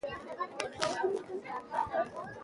احمدشاه بابا د عدالت غوښتونکی و.